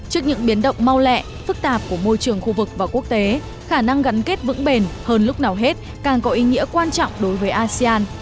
trước những biến động mau lẹ phức tạp của môi trường khu vực và quốc tế khả năng gắn kết vững bền hơn lúc nào hết càng có ý nghĩa quan trọng đối với asean